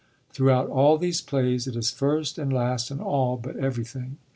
Throughout all these plays it is first and last and all but everything.